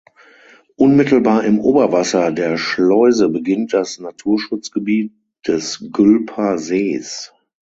Unmittelbar im Oberwasser der Schleuse beginnt das Naturschutzgebiet des Gülper Sees.